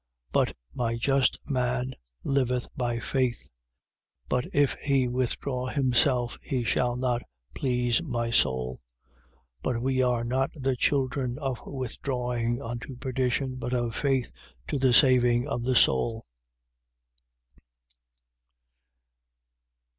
10:38. But my just man liveth by faith: but if he withdraw himself, he shall not please my soul. 10:39. But we are not the children of withdrawing unto perdition, but of faith to the saving of the soul.